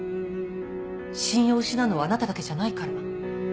信用を失うのはあなただけじゃないから。